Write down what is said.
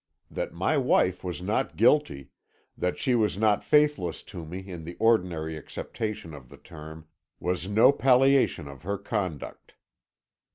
That my wife was not guilty, that she was not faithless to me in the ordinary acceptation of the term, was no palliation of her conduct.